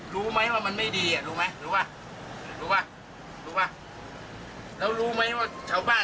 รู้ไหมว่ามันไม่ดีอ่ะรู้ไหมรู้ป่ะรู้ป่ะรู้ป่ะแล้วรู้ไหมว่าชาวบ้าน